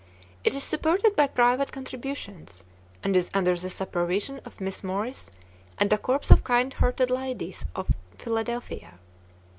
It is supported by private contributions, and is under the supervision of Miss Morris and a corps of kind hearted ladies of Philadelphia.